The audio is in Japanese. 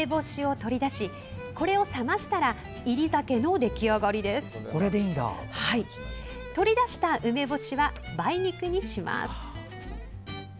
取り出した梅干しは梅肉にします。